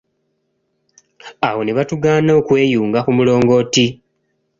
Awo ne batugaana okweyunga ku mulongooti.